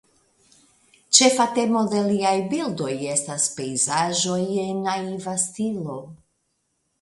Ĉefa temo de liaj bildoj estas pejzaĝoj en naiva stilo.